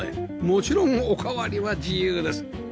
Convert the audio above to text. もちろんおかわりは自由です